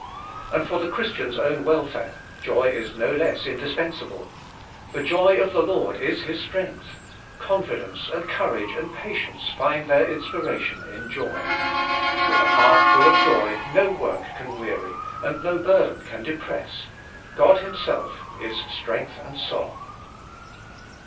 And for the Christian's own welfare, joy is no less indispensable: the joy of the Lord is his strength; confidence, and courage, and patience find their inspiration in joy. With a heart full of joy no work can weary, and no burden can depress; God Himself is strength and song.